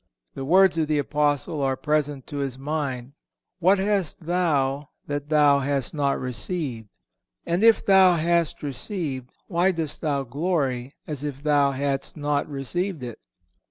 (508) The words of the Apostle are present to his mind: "What hast thou that thou hast not received? And if thou hast received, why dost thou glory as if thou hadst not received it?"